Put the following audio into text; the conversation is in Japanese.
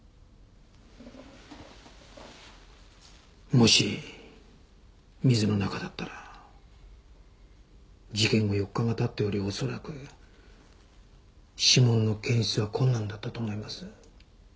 もし水の中だったら事件後４日が経っており恐らく指紋の検出は困難だったと思います。